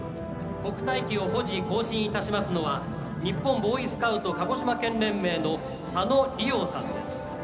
国体旗を保持・行進いたしますのは日本ボーイスカウト鹿児島県連盟の佐野李奥さんです。